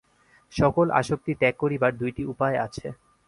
সকল আসক্তি ত্যাগ করিবার দুইটি উপায় আছে।